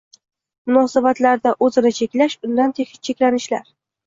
muosabatlarda uzini cheklash, undan cheklanishlar